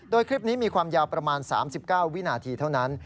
โดยคลิปนี้มีความยาวประมาณ๓๙วินาทีเท่านั้น